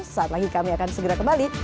sesaat lagi kami akan segera kembali